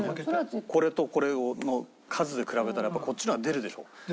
これとこれの数で比べたらこっちの方が出るでしょ。